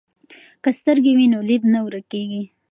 که سترګې وي نو لید نه ورکیږي.